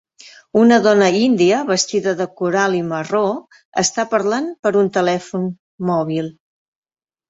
Una dona índia vestida de coral i marró està parlant per un telèfon mòbil.